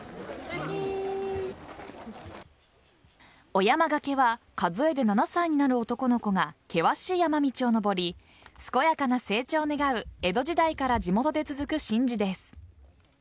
お山がけは数えで７歳になる男の子が険しい山道を登り健やかな成長を願う江戸時代から地元で続く神事です。